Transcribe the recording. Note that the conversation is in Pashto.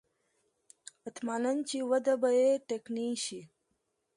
احتمالاً چې وده به یې ټکنۍ شي.